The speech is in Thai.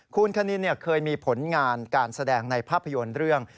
คุณคณินเคยมีผลงานการแสดงในภาพยนตร์เรื่อง